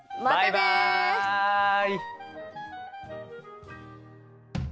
バイバイ！